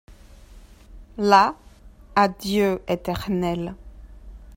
Là adieu éternel.